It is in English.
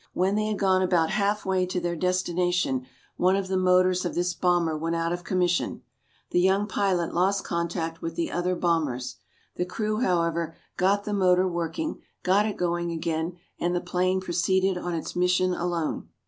When they had gone about halfway to their destination, one of the motors of this bomber went out of commission. The young pilot lost contact with the other bombers. The crew, however, got the motor working, got it going again and the plane proceeded on its mission alone.